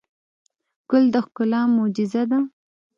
ګل د ښکلا معجزه ده.